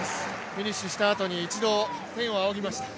フィニッシュしたあとに一度、天を仰ぎました。